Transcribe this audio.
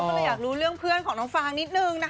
ก็เลยอยากรู้เรื่องเพื่อนของน้องฟางนิดนึงนะคะ